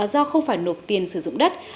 do không phải nộp tiền sử dụng đất